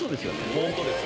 本当です。